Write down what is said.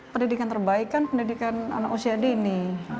pendidikan terbaik kan pendidikan anak usia dini